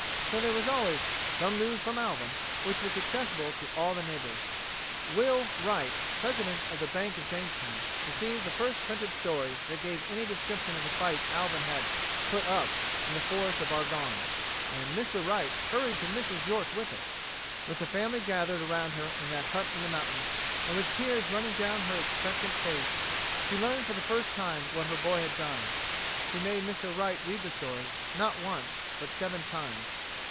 So there was always "some news from Alvin" which was accessible to all the neighbors. "Will" Wright, president of the Bank of Jamestown, received the first printed story that gave any description of the fight Alvin had "put up" in the Forest of Argonne, and Mr. Wright hurried to Mrs. York with it. With the family gathered around her in that hut in the mountains, and with tears running down her expectant face, she learned for the first time what her boy had done. She made Mr. Wright read the story not once, but seven times.